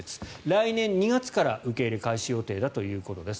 来年２月から受け入れ開始予定だということです。